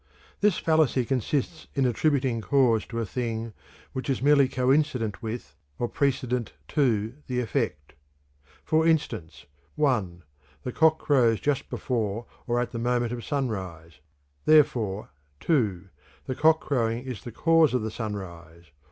_ This fallacy consists in attributing cause to a thing which is merely coincident with, or precedent to, the effect. For instance: (1) The cock crows just before or at the moment of sunrise; therefore (2) the cock crowing is the cause of the sunrise.